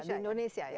di indonesia ya